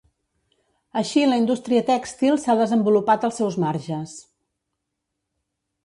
Així la indústria tèxtil s'ha desenvolupat als seus marges.